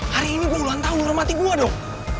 hari ini gua ulang tahun lu hormati gua dong